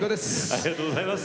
ありがとうございます。